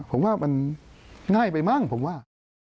ผมว่ามันง่ายไปมั้งผมว่า